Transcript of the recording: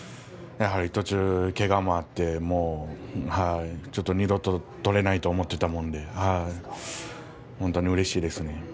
やはり途中、けがもあって二度と取れないと思っていたので本当にうれしいです。